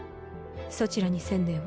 そちらに専念を。